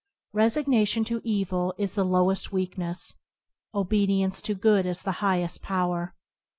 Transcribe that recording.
Resignation to evil is the lowest weakness; obedience to good is the highest power.